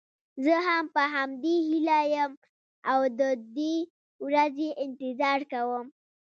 زه هم په همدې هیله یم او د دې ورځې انتظار کوم.